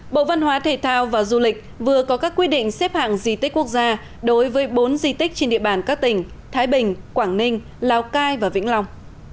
bộ văn hóa thể thao và du lịch vừa có các quy định xếp hạng di tích quốc gia đối với bốn di tích trên địa bàn các tỉnh thái bình quảng ninh lào cai và vĩnh long